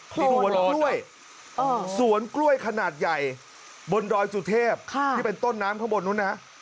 มีสวนกล้วยสวนกล้วยขนาดใหญ่บนดอยสุเทพที่เป็นต้นน้ำข้างบนนู้นนะ